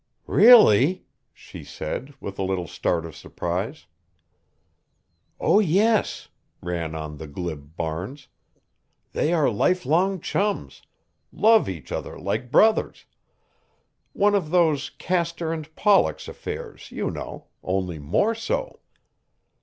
"Really!" she said with a little start of surprise. "Oh, yes," ran on the glib Barnes, "they are lifelong chums love each other like brothers; one of those Castor and Pollox affairs, you know only more so.